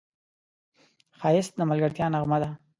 ښایست د ملګرتیا نغمه ده